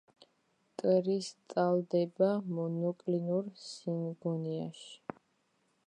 კრისტალდება მონოკლინურ სინგონიაში.